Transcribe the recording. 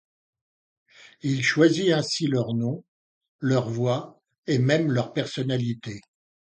Il choisit ainsi leurs noms, leurs voix et même leurs personnalités.